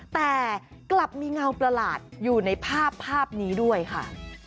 แต่กลับมีเงาประหลาดอยู่ในภาพภาพนี้ด้วยค่ะ